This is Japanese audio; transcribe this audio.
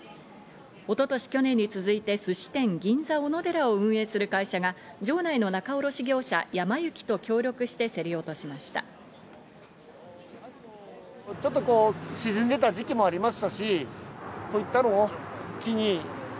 一昨年、去年に続いて、すし店・銀座おのでらを運営する会社が場内の仲卸業者・やま幸と協力して競り落としました。